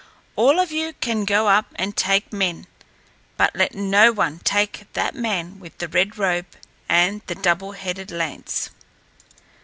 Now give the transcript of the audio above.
All of you can go up and take men, but let no one take that man with the red robe and the double headed lance."